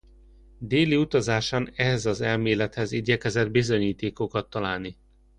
Déli utazásán ehhez az elmélethez igyekezett bizonyítékokat találni.